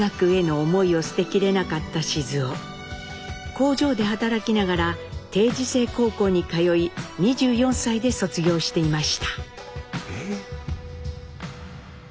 工場で働きながら定時制高校に通い２４歳で卒業していました。